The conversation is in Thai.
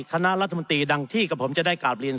คณะรัฐมนตรีดังที่กับผมจะได้กราบเรียน